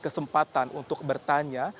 kesempatan untuk bertanya